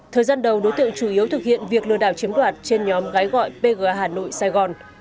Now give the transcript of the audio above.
thời gian đầu đối tượng chủ yếu thực hiện việc lừa đảo chiếm đoạt trên nhóm gái gọi pga hà nội sài gòn